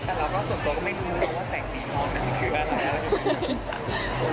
แต่เราก็ส่วนตัวก็ไม่รู้ว่าแสงสีมองมันคืออะไรนะ